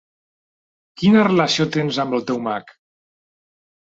Quina relació tens amb el teu mag?